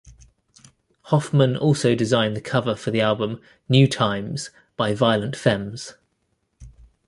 Hoffman also designed the cover for the album "New Times" by Violent Femmes.